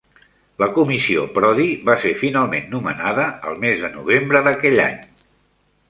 La Comissió Prodi va ser finalment nomenada el mes de novembre d'aquell any.